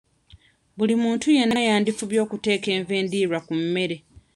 Buli muntu yenna yandifubye okuteeka enva endiirwa ku mmere.